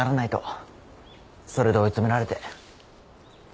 それで追い詰められて